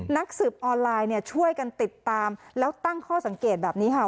นักสืบออนไลน์เนี่ยช่วยกันติดตามแล้วตั้งข้อสังเกตแบบนี้ค่ะ